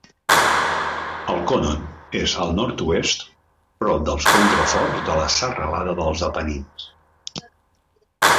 El Conon és al nord-oest, prop dels contraforts de la serralada dels Apenins.